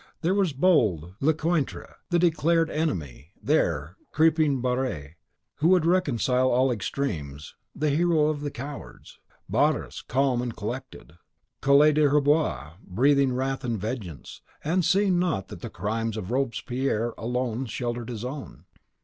There was bold Lecointre, the declared enemy; there, creeping Barrere, who would reconcile all extremes, the hero of the cowards; Barras, calm and collected; Collet d'Herbois, breathing wrath and vengeance, and seeing not that the crimes of Robespierre alone sheltered his own.